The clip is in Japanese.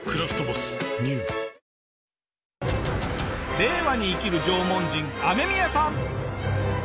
令和に生きる縄文人アメミヤさん。